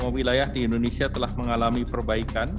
lima wilayah di indonesia telah mengalami perbaikan